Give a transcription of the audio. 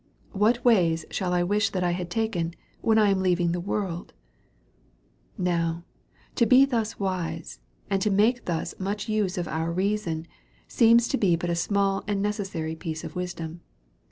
What ways shall I wish that 1 had ta ken, when I am leaving" the world ? NoWj to be thus wise, and to make thus much use" of our reason, seems to be but a small and necessary piece >of wisdom.